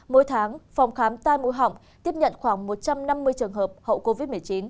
mỗi tháng phòng khám tai mũi họng tiếp nhận khoảng một trăm năm mươi trường hợp hậu covid một mươi chín